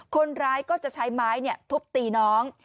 คนร้ายก็จะใช้ไม้ทุบตีน้อง